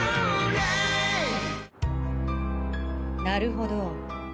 なるほど。